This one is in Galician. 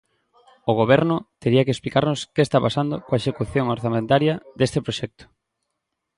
O Goberno tería que explicarnos que está pasando coa execución orzamentaria deste proxecto.